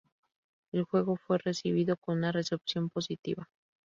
El juego fue recibido con una recepción positiva.